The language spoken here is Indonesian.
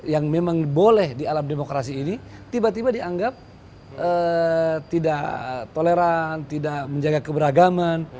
yang memang boleh di alam demokrasi ini tiba tiba dianggap tidak toleran tidak menjaga keberagaman